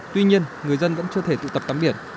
tuy nhiên người dân vẫn chưa thể tụ tập tắm biển